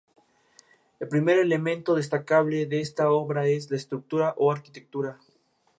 El primer elemento destacable de esta obra es, la estructura o arquitectura.